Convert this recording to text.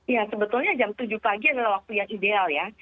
ya sebetulnya jam tujuh pagi adalah waktu yang ideal ya